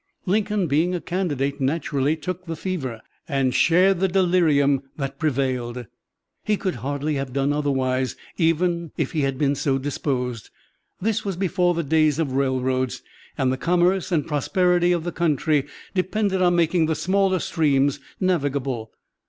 Lincoln, being a candidate, naturally "took the fever," and shared the delirium that prevailed. He could hardly have done otherwise, even if he had been so disposed. This was before the days of railroads, and the commerce and prosperity of the country depended on making the smaller streams navigable.